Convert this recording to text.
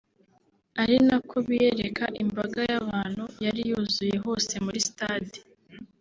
ari nako biyereka imbaga y’abantu yari yuzuye hose muri stade